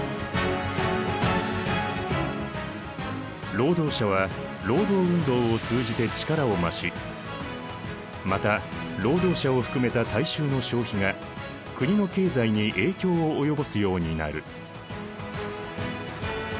労働者は労働運動を通じて力を増しまた労働者を含めた大衆の消費が国の経済に影響を及ぼすようになる。